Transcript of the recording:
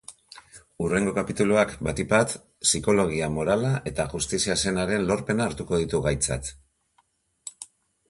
Hurrengo kapituluak batik bat psikologia morala eta justizia senaren lorpena hartuko ditu gaitzat.